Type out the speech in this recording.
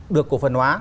được cổ phần hóa